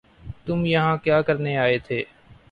تم یہاں کیا کرنے آئے تھے